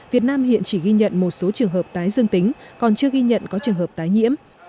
việt nam hiện chỉ ghi nhận một số trường hợp tái dương tính còn chưa ghi nhận có trường hợp tái nhiễm